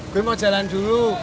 gue mau jalan dulu